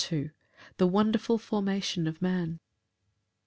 M. The wonderful formation of man.